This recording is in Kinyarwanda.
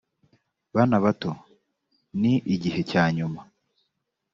bana bato ni igihe cya nyuma